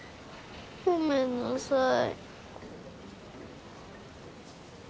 ごめんなさい。